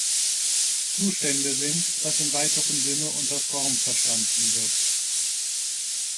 Zustände sind, was im weiteren Sinne unter Form verstanden wird.